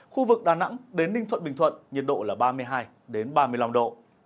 khu vực đà nẵng đến ninh thuận bình thuận nhiệt độ là ba mươi hai ba mươi năm độ